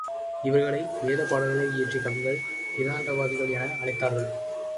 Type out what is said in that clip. இவர்களை வேதப்பாடல்களை இயற்றிய கவிகள் விதண்டாவாதிகள் என அழைத்தார்கள்.